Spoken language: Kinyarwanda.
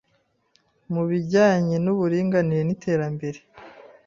mu bijyanye n uburinganire n iterambere